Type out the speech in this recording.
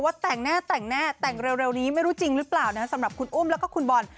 แต่งแน่แต่งแน่แต่งเร็วนี้ไม่รู้จริงหรือเปล่านะสำหรับคุณอุ้มแล้วก็คุณบอล